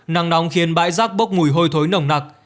nắng nóng khiến bãi rác bốc mùi hôi thối nồng nặc